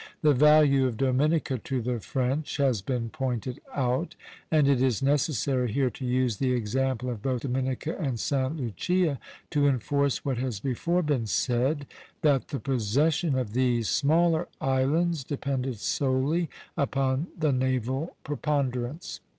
The value of Dominica to the French has been pointed out; and it is necessary here to use the example of both Dominica and Sta. Lucia to enforce what has before been said, that the possession of these smaller islands depended solely upon the naval preponderance.